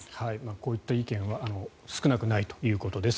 こういった意見は少なくないということです。